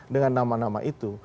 dengan nama nama itu